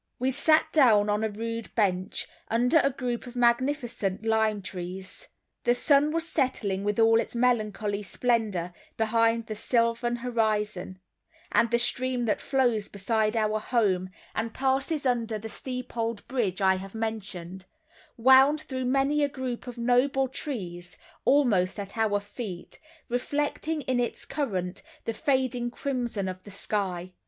We sat down on a rude bench, under a group of magnificent lime trees. The sun was setting with all its melancholy splendor behind the sylvan horizon, and the stream that flows beside our home, and passes under the steep old bridge I have mentioned, wound through many a group of noble trees, almost at our feet, reflecting in its current the fading crimson of the sky.